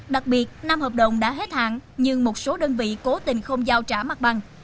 đặc biệt năm hợp đồng đã hết hạn nhưng một số đơn vị cố tình không giao trả mặt bằng